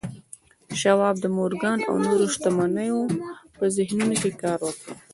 شواب د مورګان او نورو شتمنو په ذهنونو کې کار وکړ